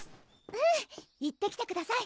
うん行ってきてください！